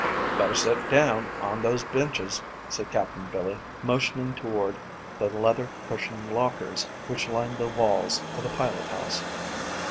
"Better set down on those benches," said Captain Billy, motioning toward the leather cushioned lockers which lined the walls of the pilot house.